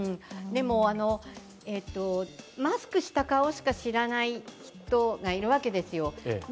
でもマスクした顔しか知らない人がいるわけですよ。